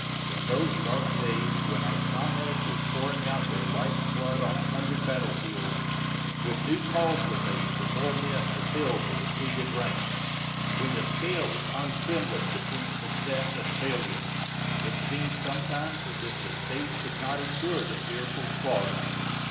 In those dark days, when our comrades were pouring out their life's blood on a hundred battlefields, when new calls were made for more men to fill the depleted ranks, when the scales hung trembling between success and failure, it seemed sometimes as if the State could not endure the fearful slaughter.